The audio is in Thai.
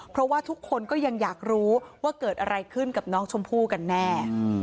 เพราะว่าทุกคนก็ยังอยากรู้ว่าเกิดอะไรขึ้นกับน้องชมพู่กันแน่